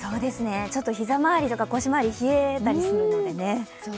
ちょっと膝回り、腰回りが冷えたりするので。